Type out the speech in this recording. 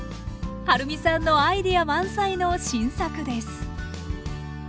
はるみさんのアイデア満載の新作です。